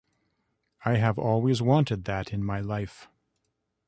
I have always wanted that in my life.